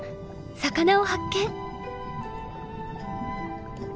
魚を発見。